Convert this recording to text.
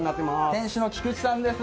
店主の菊池さんです。